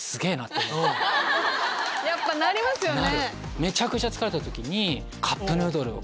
やっぱなりますよね。